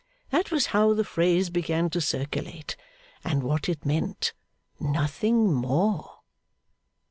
That was how the phrase began to circulate, and what it meant; nothing more.